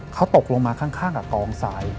เขาตกลงมาข้างกับกองทราย